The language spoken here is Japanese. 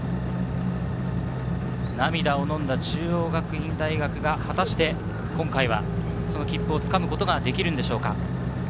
涙をのんだ中央学院大学が果たして今回は切符を掴むことができるのでしょうか。